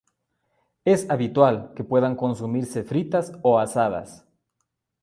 Es habitual que puedan consumirse fritas o asadas.